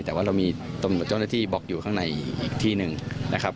แต่ว่าเรามีตำรวจเจ้าหน้าที่บล็อกอยู่ข้างในอีกที่หนึ่งนะครับ